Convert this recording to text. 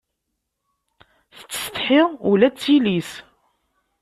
Tettsetḥi ula d tili-s